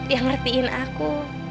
yang ngertiin aku